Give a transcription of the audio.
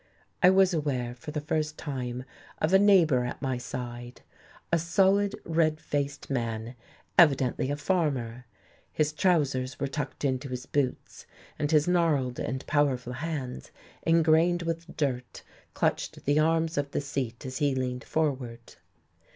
I was aware, for the first time, of a neighbour at my side, a solid, red faced man, evidently a farmer. His trousers were tucked into his boots, and his gnarled and powerful hands, ingrained with dirt, clutched the arms of the seat as he leaned forward.